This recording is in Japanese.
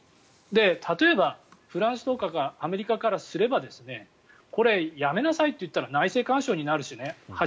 例えばフランスやアメリカからすればこれ、やめなさいと言ったら初めから内政干渉になるしね。